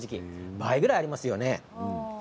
倍ぐらいありますよね。